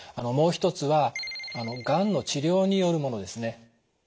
もう一つはがんの治療によるものですね。